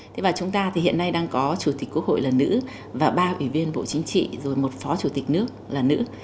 thế và chúng ta thì hiện nay đang có chủ tịch quốc hội là nữ và ba ủy viên bộ chính trị rồi một phó chủ tịch nước là nữ